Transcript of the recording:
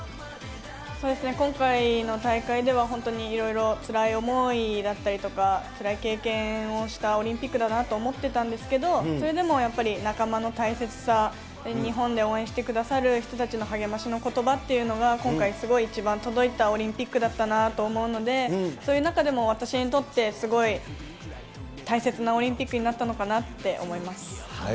そうですね、今回の大会では、本当にいろいろつらい思いだったりとか、つらい経験をしたオリンピックだなと思ってたんですけど、それでもやっぱり、仲間の大切さ、日本で応援してくださる人たちの励ましのことばっていうのが今回すごい一番届いたオリンピックだったなと思うので、そういう中でも私にとってすごい大切なオリンピックになったのかなって思います。